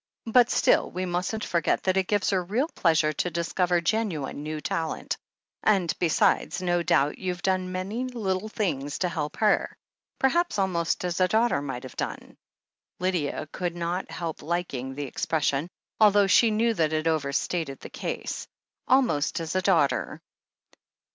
"But still; we mustn't forget that it gives her real pleasure to discover genuine new talent, and, besides, no doubt youVe done many little things to help her —• perhaps almost as a daughter might have done ?" Lydia could not help liking the expression, although she knew that it overstated the case. Almost as a daughter!